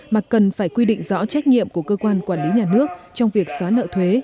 mà cần phải quy định rõ trách nhiệm của cơ quan quản lý nhà nước trong việc xóa nợ thuế